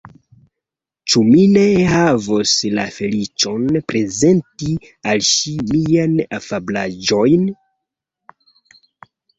Ĉu mi ne havos la feliĉon prezenti al ŝi miajn afablaĵojn?